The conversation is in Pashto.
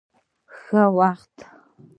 ښه وخت.